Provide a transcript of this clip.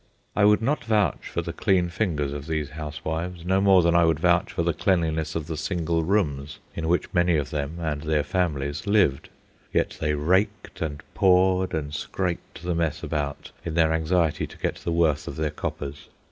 I would not vouch for the clean fingers of these housewives, no more than I would vouch for the cleanliness of the single rooms in which many of them and their families lived; yet they raked, and pawed, and scraped the mess about in their anxiety to get the worth of their coppers.